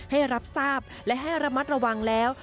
ให้รับทราบและให้ระมัดระวังแล้ว